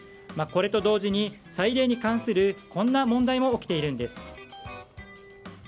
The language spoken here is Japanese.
これと同時に彩礼に関するこんな問題も起きているんです。